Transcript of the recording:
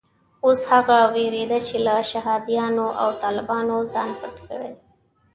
اوس هغه وېرېده چې له شهادیانو او طالبانو ځان پټ کړي.